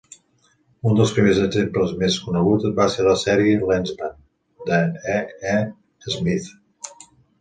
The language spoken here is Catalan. Un dels primers exemples més conegut va ser la sèrie "Lensman" de E. E. Smith.